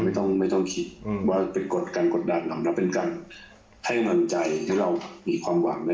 ไม่ต้องคิดมันก็เป็นกฎกันเรามันมีความหวัง